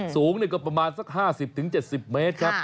สูงก็ประมาณสัก๕๐๗๐เมตรครับ